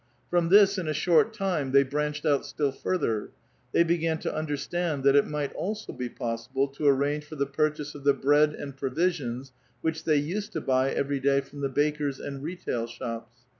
From this in a short ine they branched out still further ; they began to under t^nd that it might also be possible to arrange for the purchase f the bread and provisions which the}' used to buy every :iy from the bakers and retail shops.